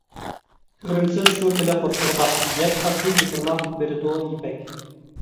كۆرۈمسىز شۇ پىلە قۇرۇتىغا باق، يەپ ئاددىي يوپۇرماق بېرىدۇ يىپەك.